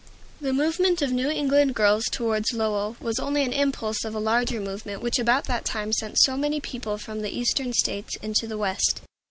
The movement of New England girls toward Lowell was only an impulse of a larger movement which about that time sent so many people from the Eastern States into the West.